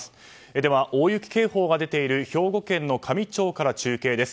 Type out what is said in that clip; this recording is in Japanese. では、大雪警報が出ている兵庫県の香美町から中継です。